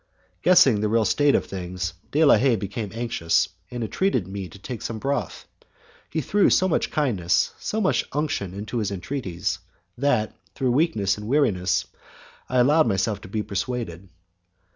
Guessing the real state of things, De la Haye became anxious, and entreated me to take some broth. He threw so much kindness, so much unction, into his entreaties that, through weakness and weariness, I allowed myself to be persuaded.